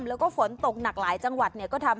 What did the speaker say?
และฝนตกหนักหลายจังหวัด